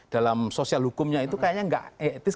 dalam sosial hukumnya itu kayaknya nggak etis